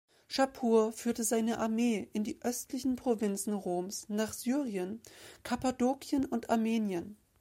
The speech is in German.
Schapur führte seine Armee in die östlichen Provinzen Roms nach Syrien, Kappadokien und Armenien.